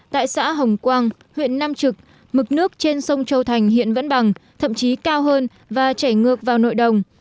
tại xã hồng quang huyện nam trực mực nước trên sông châu thành hiện vẫn bằng thậm chí cao hơn và chảy ngược vào nội đồng